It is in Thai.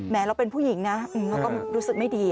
เราเป็นผู้หญิงนะเราก็รู้สึกไม่ดี